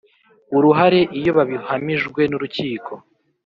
uruhare iyo babihamijwe n urukiko